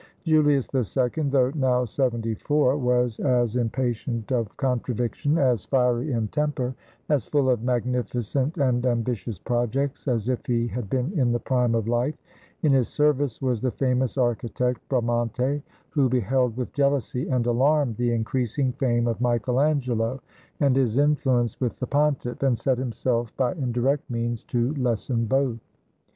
Julius II, though now seventy four, was as impatient of contradiction, as fiery in temper, as full of magnificent and ambitious projects, as if he had been in the prime of life; in his service was the famous architect Bramante, who beheld with jealousy and alarm the increasing fame of Michael Angelo and his influence with the pontiff, and set himself 98 MICHAEL ANGELO AND POPE JULIUS II by indirect means to lessen both.